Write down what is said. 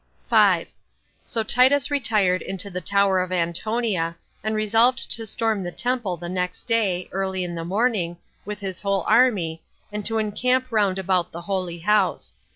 5. So Titus retired into the tower of Antonia, and resolved to storm the temple the next day, early in the morning, with his whole army, and to encamp round about the holy house.